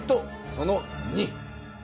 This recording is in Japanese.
その２。